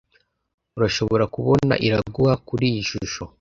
Urashobora kubona Iraguha kuriyi shusho?